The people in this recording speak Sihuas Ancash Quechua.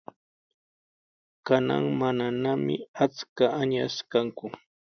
Kanan mananami achka añas kanku.